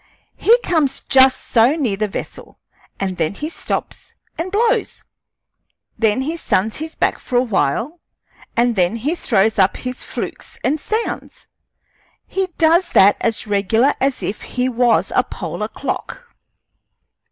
He comes just so near the vessel, and then he stops and blows. Then he suns his back for a while, and then he throws up his flukes and sounds. He does that as regular as if he was a polar clock.